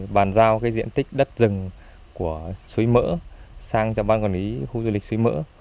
bàn giao diện tích đất rừng của suối mỡ sang cho ban quản lý khu du lịch suối mỡ